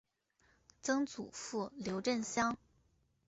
曾祖父刘震乡。